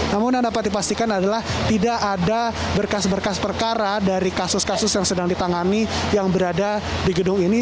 namun yang dapat dipastikan adalah tidak ada berkas berkas perkara dari kasus kasus yang sedang ditangani yang berada di gedung ini